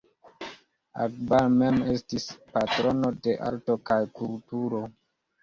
Akbar mem estis patrono de arto kaj kulturo.